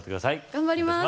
頑張ります